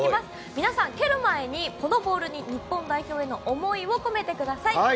皆さん蹴る前にこのボールに日本代表への思いを込めてください。